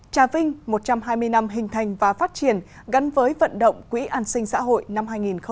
trà vinh một trăm hai mươi năm hình thành và phát triển gắn với vận động quỹ an sinh xã hội năm hai nghìn hai mươi